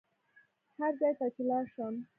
هر ځای ته چې لاړ شم.